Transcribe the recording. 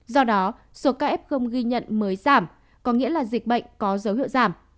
do đó số ca f ghi nhận mới giảm có nghĩa là dịch bệnh có dấu hiệu giảm